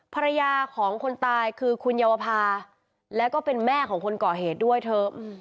ภรรยาของคนตายคือคุณเยาวภาแล้วก็เป็นแม่ของคนก่อเหตุด้วยเถอะ